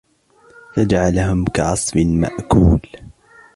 فجعلهم كعصف مأكول